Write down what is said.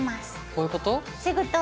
こういうこと？